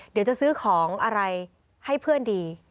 เดี๋ยวจะซื้อของอะไรให้เพื่อนดี